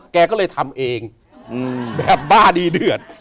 แกก็เลยทำเองแบบบ้าดีเดือด